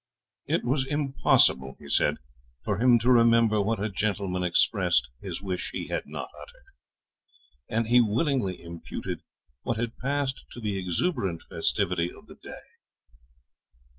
'It was impossible,' he said, 'for him to remember what a gentleman expressed his wish he had not uttered; and he willingly imputed what had passed to the exuberant festivity of the day.'